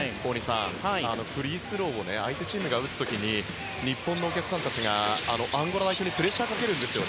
フリースローを相手チームが打つ時に日本のお客さんたちがアンゴラ代表にプレッシャーをかけるんですよ。